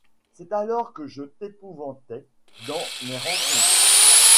C’est alors que je t’épouvantais dans mes rencontres.